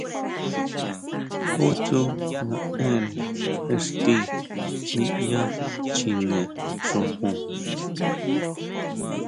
¿Jú tsú naʼenre ixtí niʼya chjine xojon?